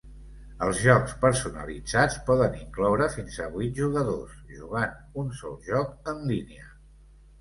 Els jocs personalitzats poden incloure fins a vuit jugadors jugant un sol joc en línia.